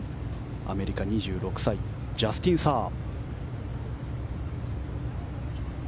アメリカの２６歳ジャスティン・サー。